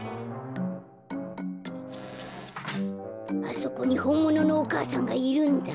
あそこにほんもののお母さんがいるんだ。